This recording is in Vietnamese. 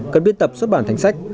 cần biến tập xuất bản thành sách